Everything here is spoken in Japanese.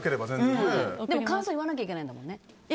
感想を言わなきゃいけないんだよね。